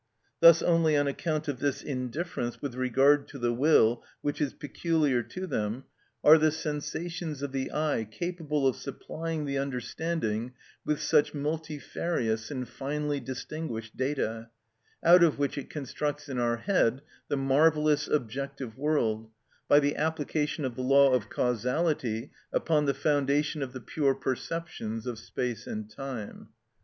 Thus only on account of this indifference with regard to the will which is peculiar to them are the sensations of the eye capable of supplying the understanding with such multifarious and finely distinguished data, out of which it constructs in our head the marvellous objective world, by the application of the law of causality upon the foundation of the pure perceptions of space and time.